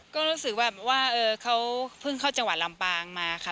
ก็รู้สึกว่าเขาเพิ่งเข้าจังหวัดลำปางมาค่ะ